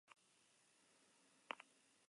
Son muy usuales en senderismo y escalada.